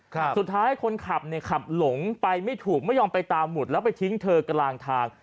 สุดท้ายคนขับเนี่ยขับหลงไปไม่ถูกไม่ยอมไปตามหุดแล้วไปทิ้งเธอกลางทาง